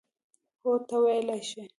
هو، ته ویلای شې.